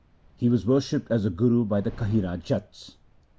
He was worshipped as a guru by the Khahira Jats.